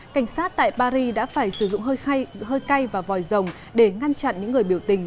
cảnh sát tại paris đã phải sử dụng hơi cay và vòi rồng để ngăn chặn những người biểu tình